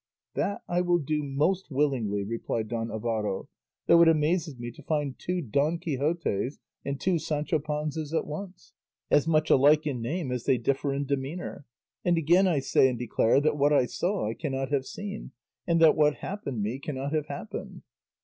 "That I will do most willingly," replied Don Alvaro; "though it amazes me to find two Don Quixotes and two Sancho Panzas at once, as much alike in name as they differ in demeanour; and again I say and declare that what I saw I cannot have seen, and that what happened me cannot have happened."